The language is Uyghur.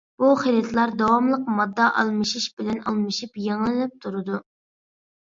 بۇ خىلىتلار داۋاملىق ماددا ئالمىشىشى بىلەن ئالمىشىپ يېڭىلىنىپ تۇرىدۇ.